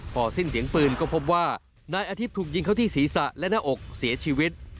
พอสิ้นเสียงปืนก็พบว่านายอาทิตย์ถูกยิงเข้าที่ศีรษะและหน้าอกเสียชีวิต